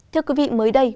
thưa quý vị mới đây